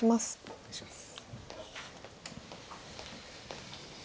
お願いします。